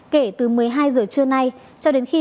kể từ một mươi hai giờ trưa nay cho đến khi